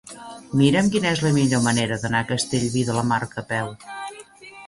Mira'm quina és la millor manera d'anar a Castellví de la Marca a peu.